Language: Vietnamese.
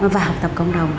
và học tập cộng đồng